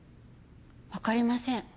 わかりません。